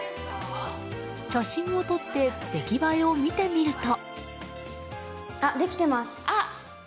写真を撮って出来栄えを見てみると。